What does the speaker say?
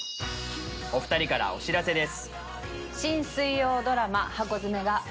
お２人からお知らせです。